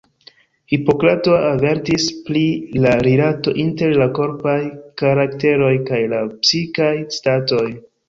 Hipokrato avertis pri la rilato inter la korpaj karakteroj kaj la psikaj statoj.